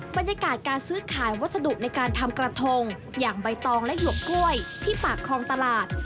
บรรยากาศการซื้อขายวัสดุในการทำกระทงอย่างใบตองและหวกกล้วยที่ปากคลองตลาด